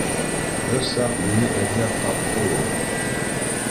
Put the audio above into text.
Бер саҡ мине эҙләп тапты ул